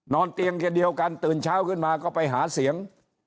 เตียงกระเดียวกันตื่นเช้าขึ้นมาก็ไปหาเสียง